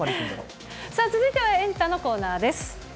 さあ、続いてはエンタのコーナーです。